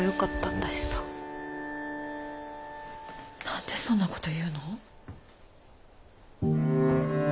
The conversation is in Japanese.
何でそんなこと言うの。